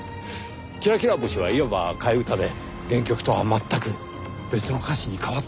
『きらきら星』はいわば替え歌で原曲とは全く別の歌詞に変わっているんです。